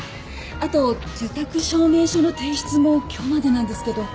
あと受託証明書の提出も今日までなんですけど。